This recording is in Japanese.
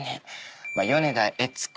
米田悦子。